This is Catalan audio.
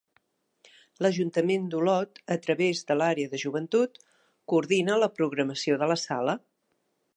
L'Ajuntament d'Olot, a través de l'àrea de Joventut, coordina la programació de la sala.